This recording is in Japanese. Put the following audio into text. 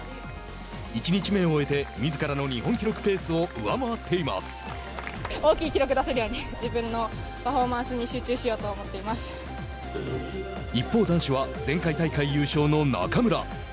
１日目を終えてみずからの日本記録ペースを一方男子は前回大会優勝の中村。